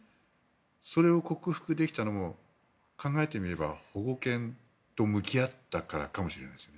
それを克服できたのも考えてみれば保護犬と向き合ったからかもしれませんね。